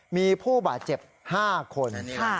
มีผู้บาดเจ็บ๕คน